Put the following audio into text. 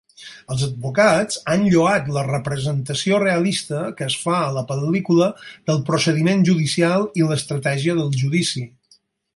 Els advocats han lloat la representació realista que es fa a la pel·lícula del procediment judicial i l'estratègia del judici.